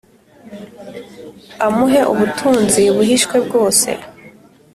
Amuhe ubutunzi buhishwe bwose